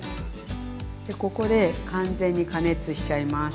ここで完全に加熱しちゃいます。